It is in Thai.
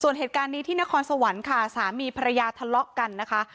ส่วนเหตุการณ์นี้ที่นครสวรรค์ค่ะสามีภรรยาทะเลาะกันนะคะ